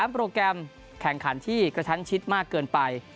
โปรแกรมแข่งขันที่กระชั้นชิดมากเกินไป